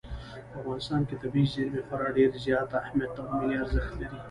په افغانستان کې طبیعي زیرمې خورا ډېر زیات اهمیت او ملي ارزښت لري.